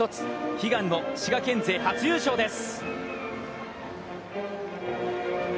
悲願の滋賀県勢、初優勝です。